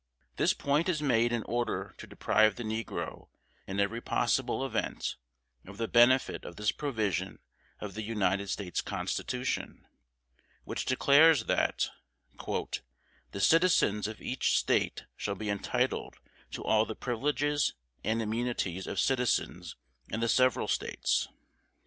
This point is made in order to deprive the negro, in every possible event, of the benefit of this provision of the United States Constitution, which declares that "The citizens of each State shall be entitled to all the privileges and immunities of citizens in the several States.